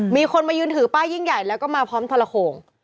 มีคนมายืนถือป้ายยิ่งใหญ่แล้วก็มาพร้อมทรโขง